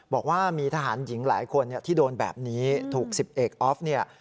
บอกว่ามีทหารหญิงหลายคนที่โดนแบบนี้ถูกสิบเอกออฟเนี่ย